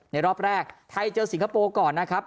รอบแรกไทยเจอสิงคโปร์ก่อนนะครับ